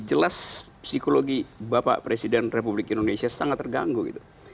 jelas psikologi bapak presiden republik indonesia sangat terganggu gitu